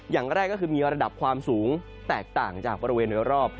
อย่างแรกก็คือมีระดับความสูงแตกต่างจากบริเวณโดยรอบ